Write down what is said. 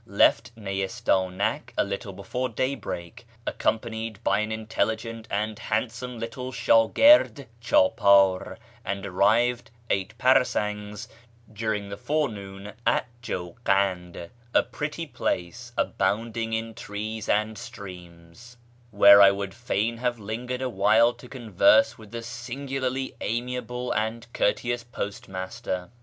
— Left Neyistanak a little before daybreak, iccompanied by an intelligent and handsome little shdgird ]idp)di\ and arrived (eight parasangs) during the forenoon at raukand, a pretty place, abounding in trees and streams, where would fain have liuQ ered a while to converse with the jingularly amiable and courteous postmaster.